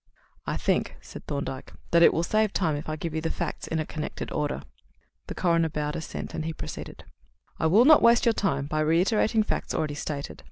"I think," said Thorndyke, "that it will save time if I give you the facts in a connected order." The coroner bowed assent, and he proceeded: "I will not waste your time by reiterating facts already stated.